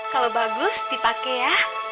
kalau bagus dipakai ya